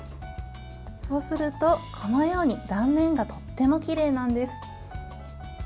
そうすると、このように断面がとってもきれいなんです。